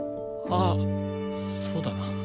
ああそうだな。